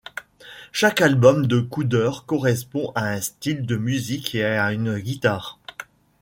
Chaque album de Cooder correspond à un style de musique et à une guitare.